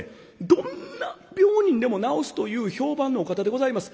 どんな病人でも治すという評判のお方でございます。